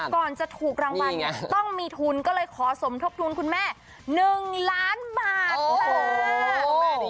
ก่อนจะถูกรางวัลต้องมีทุนก็เลยขอสมทบทุนคุณแม่๑ล้านบาทเลย